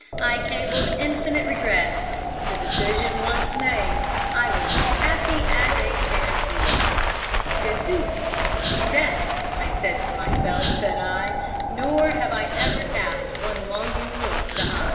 I cabled infinite regrets. The decision once made, I was happy as a sandboy. J'y suis, j'y reste, said I to myself, said I. Nor have I ever cast one longing look behind."